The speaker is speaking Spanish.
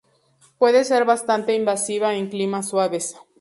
Puede ser bastante invasiva en climas suaves.